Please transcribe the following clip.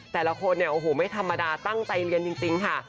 แต่ละคนไม่ธรรมดาตั้งใจเรียนจริงค่ะ